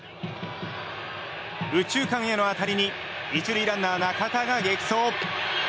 右中間への当たりに１塁ランナー中田が激走。